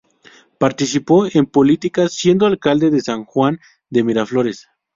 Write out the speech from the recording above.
Participó en política siendo Alcalde de San Juan de Miraflores.